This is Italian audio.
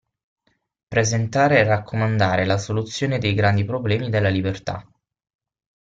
Presentare e raccomandare la soluzione dei grandi problemi della libertà.